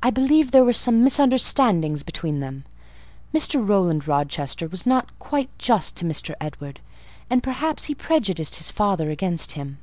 I believe there were some misunderstandings between them. Mr. Rowland Rochester was not quite just to Mr. Edward; and perhaps he prejudiced his father against him.